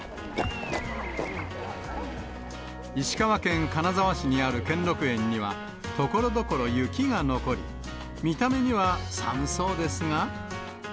石川県金沢市にある兼六園には、ところどころ雪が残り、見た目には寒そうですが。